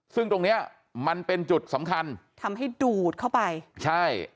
ซึ่งตรงเนี้ยมันเป็นจุดสำคัญทำให้ดูดเข้าไปใช่